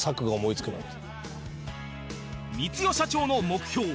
光代社長の目標